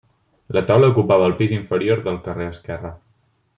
La taula ocupava el pis inferior del carrer esquerre.